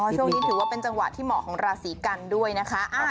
ถือว่าเป็นจังหวะที่เหมาะของราศีกันด้วยนะคะ